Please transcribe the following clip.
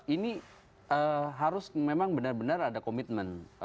ini harus memang benar benar ada komitmen